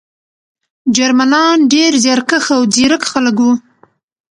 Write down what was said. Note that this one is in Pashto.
جرمنان ډېر زیارکښ او ځیرک خلک وو